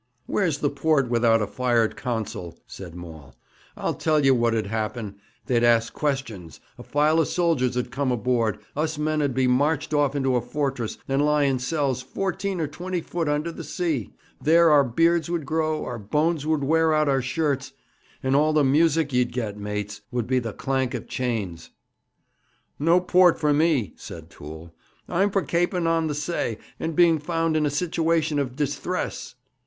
'Where's the port without a fired consul?' said Maul. 'I'll tell ye what 'd happen: they'd ask questions, a file of soldiers 'ud come aboard, us men 'ud be marched off into a fortress, and lie in cells fourteen or twenty foot under the sea. There our beards would grow, our bones would wear out our shirts, and all the music ye'd get, mates, would be the clank of chains.' 'No port for me!' said Toole. 'I'm for kaping on the say, and being found in a situation of disthress.'